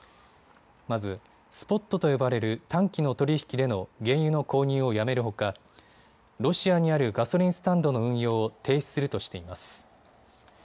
まず、スポットと呼ばれる短期の取り引きでの原油の購入をやめるほかロシアにあるガソリンスタンドの運用を停止するとしています。